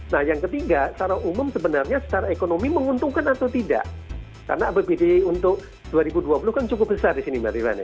nah yang ketiga secara umum sebenarnya secara ekonomi menguntungkan atau tidak karena apbd untuk dua ribu dua puluh kan cukup besar di sini mbak rifana